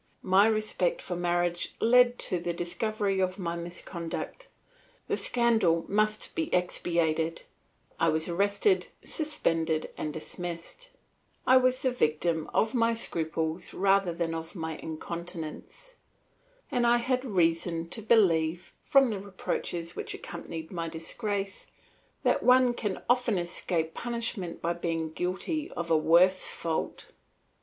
My respect for marriage led to the discovery of my misconduct. The scandal must be expiated; I was arrested, suspended, and dismissed; I was the victim of my scruples rather than of my incontinence, and I had reason to believe, from the reproaches which accompanied my disgrace, that one can often escape punishment by being guilty of a worse fault.